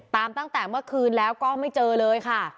ตั้งแต่เมื่อคืนแล้วก็ไม่เจอเลยค่ะ